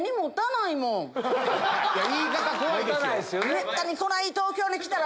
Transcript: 言い方怖いですよ！